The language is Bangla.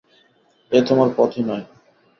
এ তোমার পথই নয়।